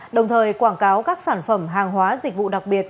đồng thời quảng cáo các sản phẩm hàng hóa dịch vụ đặc biệt